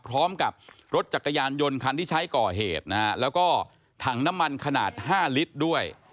พร้อมกับรถจักรยานยนต์คันที่ใช้ก่อเหตุนะฮะแล้วก็ถังน้ำมันขนาด๕ลิตรด้วย